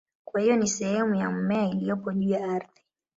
Kwa hiyo ni sehemu ya mmea iliyopo juu ya ardhi.